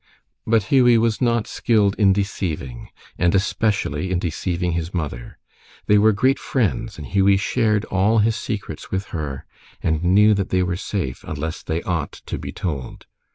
But Hughie was not skilled in deceiving, and especially in deceiving his mother. They were great friends, and Hughie shared all his secrets with her and knew that they were safe, unless they ought to be told.